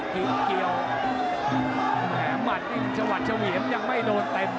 เกี่ยวแหมหมัดนี่ชวัดเฉวียมยังไม่โดนเต็ม